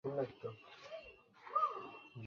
যার অভিজ্ঞতা থেকে তিনি তার প্রথম কয়েকটি বই লিখেছিলেন।